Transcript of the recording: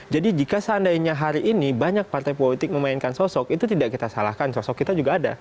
jadi jika seandainya hari ini banyak partai politik memainkan sosok itu tidak kita salahkan sosok kita juga ada